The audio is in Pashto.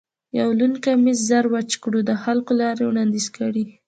یو لوند کمیس زر وچ کړو، د حل لارې وړاندیز کړئ.